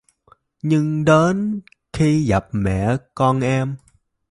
nhưng đến khi gặp mẹ con em